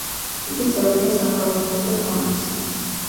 იგი წევრია საქველმოქმედო ფონდისა.